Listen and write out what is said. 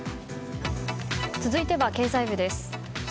続いては経済部です。